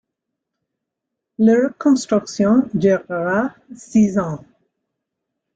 Leur construction durera six ans.